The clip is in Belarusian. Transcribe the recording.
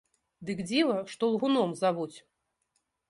Дык дзіва, што лгуном завуць?!